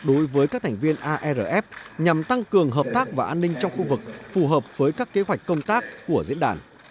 đối với các thành viên arf nhằm tăng cường hợp tác và an ninh trong khu vực phù hợp với các kế hoạch công tác của diễn đàn